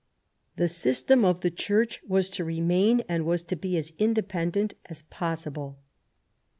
The system of the Church was to remain, and was to be as independent as possible.